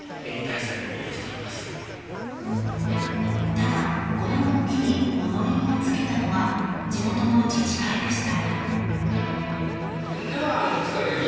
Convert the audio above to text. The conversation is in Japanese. ただ、この動きに物言いをつけたのが地元の自治会でした。